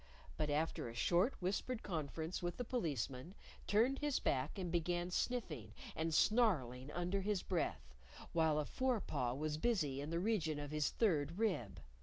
But after a short whispered conference with the Policeman, turned his back and began sniffing and snarling under his breath, while a fore paw was busy in the region of his third rib.